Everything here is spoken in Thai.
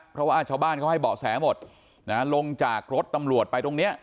เพราะว่าชาวบ้านเขาให้เบาะแสหมดนะลงจากรถตำรวจไปตรงเนี้ย